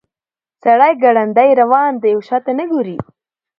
سړی ګړندی روان دی او شاته نه ګوري.